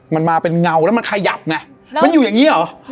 มันมาเป็นเงาแล้วมันขยับไงมันอยู่อย่างนี้เหรอ